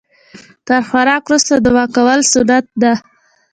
تر خوراک وروسته دعا کول سنت ده